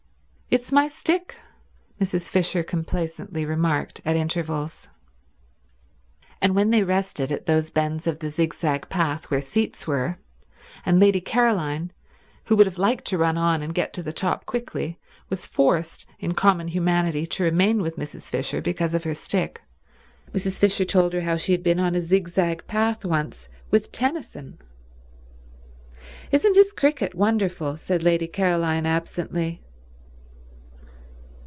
"It's my stick," Mrs. Fisher complacently remarked at intervals. And when they rested at those bends of the zigzag path where seats were, and Lady Caroline, who would have liked to run on and get to the top quickly, was forced in common humanity to remain with Mrs. Fisher because of her stick, Mrs. Fisher told her how she had been on a zigzag path once with Tennyson. "Isn't his cricket wonderful?" said Lady Caroline absently.